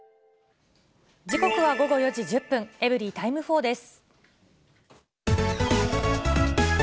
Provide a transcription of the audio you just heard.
時刻は午後４時１０分、エブリィタイム４です。